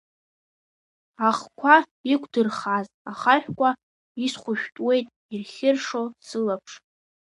Ахқәа иқәдырхааз ахаҳәқәа, исхәышәтәуеит ирхьыршо сылаԥш.